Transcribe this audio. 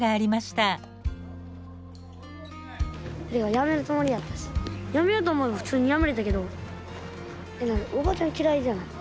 やめるつもりやったしやめようと思えば普通にやめれたけどでもおばちゃん嫌いじゃない。